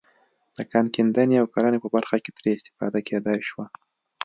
د کان کیندنې او کرنې په برخه کې ترې استفاده کېدای شوه.